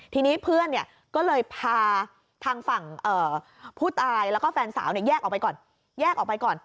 ทีนี้เพื่อนก็เลยพาทางฝั่งผู้ตายแล้วก็แฟนสาวแยกออกไปก่อน